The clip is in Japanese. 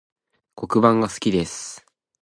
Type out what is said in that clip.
黒板が好きです